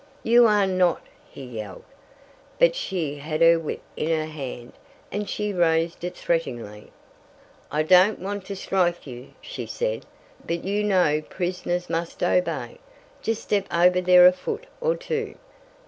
"You are not!" he yelled, but she had her whip in her hand and she raised it threateningly. "I don't want to strike you," she said, "but you know prisoners must obey. Just step over there a foot or two!"